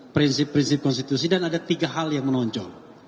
prinsip prinsip konstitusi dan ada tiga hal yang menonjol